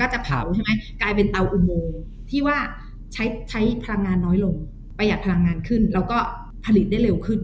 ก็จะเผาใช่ไหมกลายเป็นเตาอุโมงที่ว่าใช้ใช้พลังงานน้อยลงประหยัดพลังงานขึ้นแล้วก็ผลิตได้เร็วขึ้น